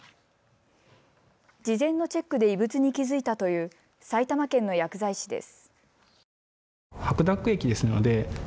事前のチェックで異物に気付いたという埼玉県の薬剤師です。